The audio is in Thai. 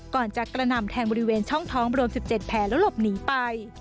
ก่อนจะกระหน่ำแทงบริเวณช่องท้องรวม๑๗แผลแล้วหลบหนีไป